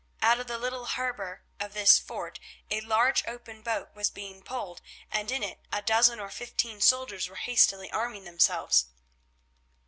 Out of the little harbour of this fort a large open boat was being poled, and in it a dozen or fifteen soldiers were hastily arming themselves.